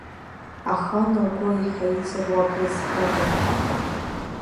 Аха ан лгәы аиҳа иҵару абла зхада!